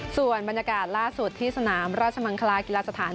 ส่วนบรรยากาศล่าสุดที่สนามราชมังคลากีฬาสถาน